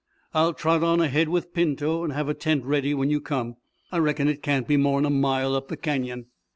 I'll trot on ahead with Pinto and have a tent ready when you come. I reckon it can't be more'n a mile up the canyon."